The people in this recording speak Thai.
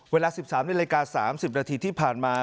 เวลา๑๓นาฬิกา๓๐นาทีที่ผ่านมา